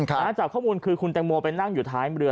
จากข้อมูลคือคุณแตงโมไปนั่งอยู่ท้ายเรือ